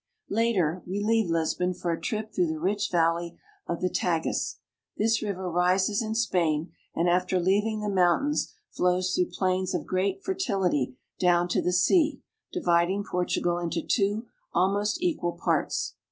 Later we leave Lisbon for a trip through the rich valley of the Tagus. This river rises in Spain, and after leaving the 'mountains flows through plains of great fertility down to the sea, dividing Portugal into two almost equal parts.